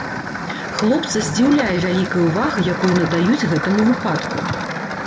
Хлопца здзіўляе вялікая ўвага, якую надаюць гэтаму выпадку.